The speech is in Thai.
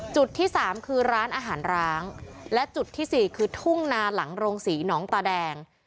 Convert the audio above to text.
จุดที่สามคือร้านอาหารร้างและจุดที่สี่คือทุ่งนาหลังโรงศรีน้องตาแดง